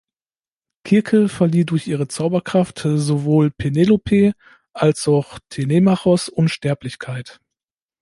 Kirke verlieh durch ihre Zauberkraft sowohl Penelope als auch Telemachos Unsterblichkeit.